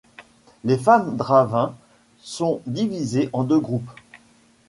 Les femmes Drahvins sont divisées en deux groupes.